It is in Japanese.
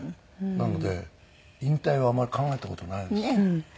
なので引退はあまり考えた事ないです。